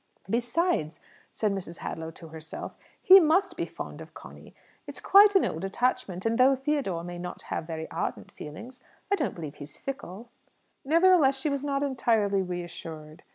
"Besides," said Mrs. Hadlow to herself, "he must be fond of Conny. It's quite an old attachment; and, though Theodore may not have very ardent feelings, I don't believe he is fickle." Nevertheless, she was not entirely reassured.